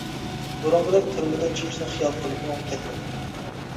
بۇرۇنقىدەك تۈرمىدىن چىقىشنى خىيال قىلىپمۇ كەتمىدى.